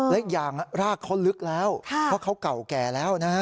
และอีกอย่างรากเขาลึกแล้วเพราะเขาเก่าแก่แล้วนะฮะ